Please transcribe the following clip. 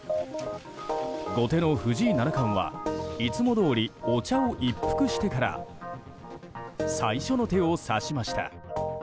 後手の藤井七冠はいつもどおりお茶を一服してから最初の手を指しました。